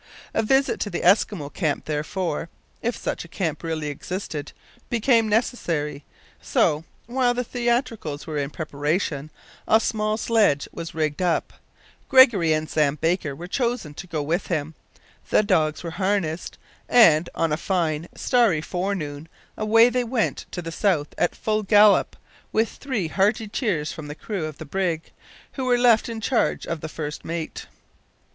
A visit to the Eskimo camp, therefore, (if such a camp really existed), became necessary; so, while the theatricals were in preparation, a small sledge was rigged up, Gregory and Sam Baker were chosen to go with him; the dogs were harnessed, and, on a fine, starry forenoon, away they went to the south at full gallop, with three hearty cheers from the crew of the brig, who were left in charge of the first mate.